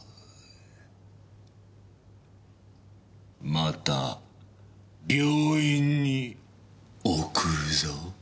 また病院に送るぞ。